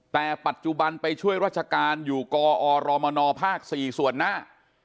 แต่ปัจจุบันไปช่วยราชการอยู่กอรมนภ๔ส่วนหน้า